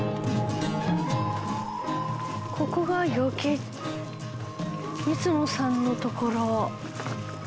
ここが養鶏三野さんのところ？